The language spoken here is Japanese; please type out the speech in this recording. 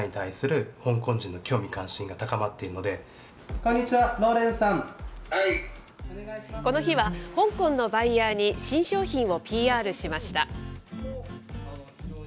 こんにちは、この日は、香港のバイヤーに新商品をＰＲしました。